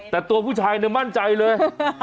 แต่ตัวผู้ชายมั่นใจเลย